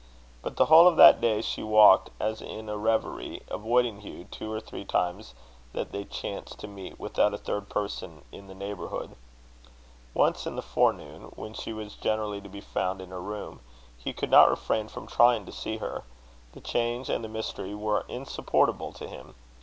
But the whole of that day she walked as in a reverie, avoiding Hugh two or three times that they chanced to meet without a third person in the neighbourhood. Once in the forenoon when she was generally to be found in her room he could not refrain from trying to see her. The change and the mystery were insupportable to him.